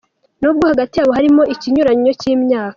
Nubwo hagati yabo harimo ikinyuranyo cyimyaka.